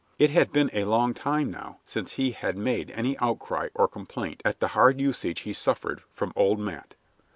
It had been a long time now since he had made any outcry or complaint at the hard usage he suffered from old Matt.